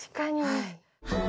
はい。